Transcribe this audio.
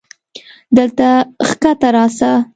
دلته کښته راسه.